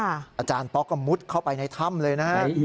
อาจารย์ป๊อกก็มุดเข้าไปในถ้ำเลยนะฮะ